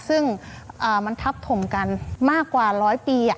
ซึ่งมันทับถมกันมากกว่าร้อยปี